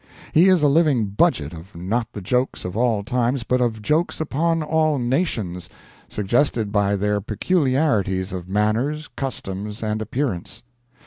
He is a living budget of not the jokes of all nations but of jokes upon all nations, suggested by their peculiarities of manners, customs, and appearance.